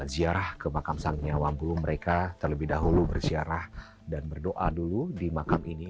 ziarah ke makam sangnya wampulu mereka terlebih dahulu berziarah dan berdoa dulu di makam ini